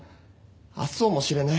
明日をも知れない。